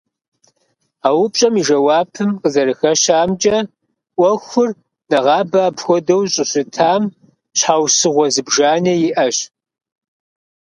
А упщӀэм и жэуапым къызэрыхэщамкӀэ, Ӏуэхур нэгъабэ апхуэдэу щӀыщытам щхьэусыгъуэ зыбжанэ иӀэщ.